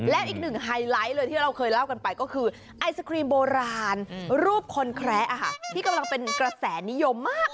และอีกหนึ่งไฮไลท์เลยที่เราเคยเล่ากันไปก็คือไอศครีมโบราณรูปคนแคระที่กำลังเป็นกระแสนิยมมาก